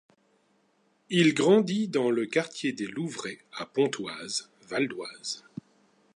Il grandit dans le quartier des Louvrais à Pontoise, Val-d'Oise.